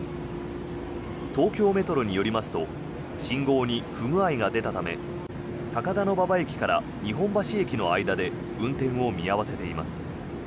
東京メトロによりますと信号に不具合が出たため高田馬場駅から日本橋駅の間で運転を見合わせています。